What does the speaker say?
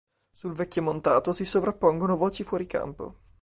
Sul vecchio montato si sovrappongono voci fuori campo.